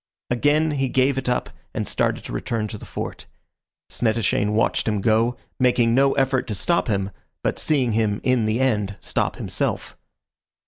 Again he gave it up and started to return to the Fort. Snettishane watched him go, making no effort to stop him, but seeing him, in the end, stop himself.